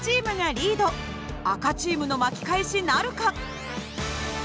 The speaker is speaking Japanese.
赤チームの巻き返しなるか。